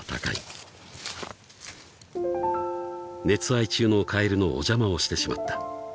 ［熱愛中のカエルのお邪魔をしてしまった］